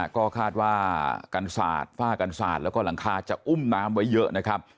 ก็คาดรถฝ้ากันศาสตร์แล้วก็หลังคาอุ้มร้ายอย่างเยอะนะครับ